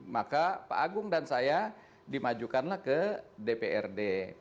maka pak agung dan saya dimajukanlah ke dprd